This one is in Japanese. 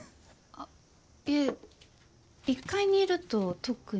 あっいえ１階にいると特に音は。